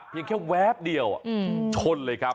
เพียงแค่แวบเดียวชนเลยครับ